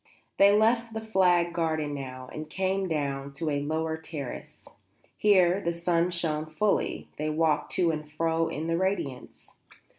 They left the flagged garden now, and came down to a lower terrace. Here the sun shone fully; they walked to and fro in the radiance.